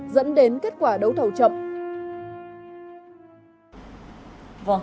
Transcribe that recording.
dẫn đến kết quả đấu thầu chậm